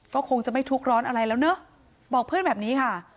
ก็คงจะไม่ทุกข์ร้อนอะไรแล้วเนอะบอกเพื่อนแบบนี้ค่ะ